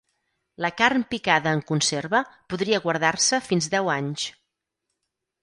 La carn picada en conserva podria guardar-se fins deu anys.